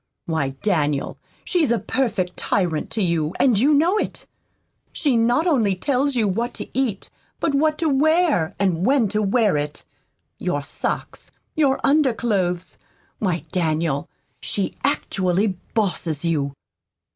Why, Daniel, she's a perfect tyrant to you, and you know it. She not only tells you what to eat, but what to wear, and when to wear it your socks, your underclothes. Why, Daniel, she actually bosses you!"